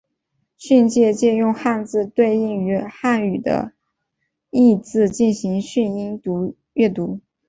训借借用汉字对应于韩语的意字进行训音阅读。